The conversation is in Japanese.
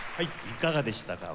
いかがでしたか？